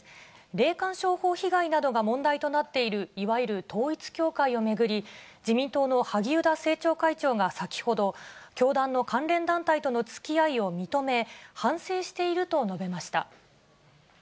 霊感商法被害などが問題となっている、いわゆる統一教会を巡り、自民党の萩生田政調会長が先ほど、教団の関連団体とのつきあいを認め、反省していると述べました。